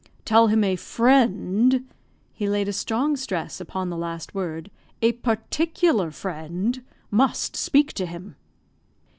"Tell him a friend" (he laid a strong stress upon the last word), "a particular friend must speak to him."